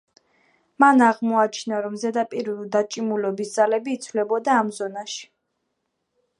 მან აღმოაჩინა, რომ ზედაპირული დაჭიმულობის ძალები იცვლებოდა ამ ზონაში.